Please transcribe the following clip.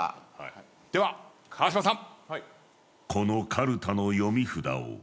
では川島さん。